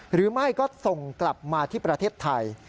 หรือไม่ก็ส่งกลับมาที่ประเทศไทย